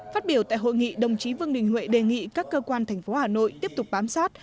phát biểu tại hội nghị đồng chí vương đình huệ đề nghị các cơ quan thành phố hà nội tiếp tục bám sát